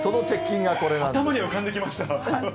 頭に浮かんできました。